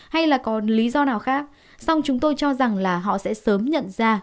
hay là có lý do nào khác song chúng tôi cho rằng là họ sẽ sớm nhận ra